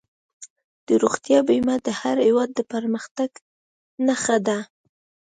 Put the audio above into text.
د روغتیا بیمه د هر هېواد د پرمختګ نښه ده.